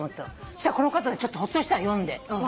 したらこの方ほっとしたの読んで。